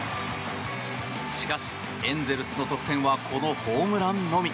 しかしエンゼルスの得点はこのホームランのみ。